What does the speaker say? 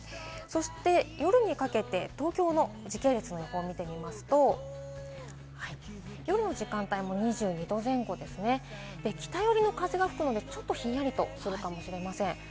夜にかけて、東京の時系列の予報を見てみますと、夜の時間帯も２２度前後ですね、北よりの風が吹くので、ちょっとひんやりするかもしれません。